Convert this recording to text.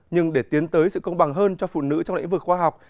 nhưng để tiến tới sự công bằng hơn cho phụ nữ trong lĩnh vực khoa học